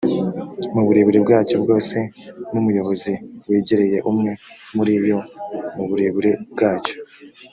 mu burebure bwacyo bwose n umuyobozi wegereye umwe muri yo mu burebure bwacyo